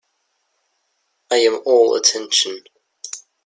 I am all attention.